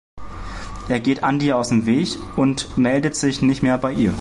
Er geht Andie aus dem Weg und meldet sich nicht mehr bei ihr.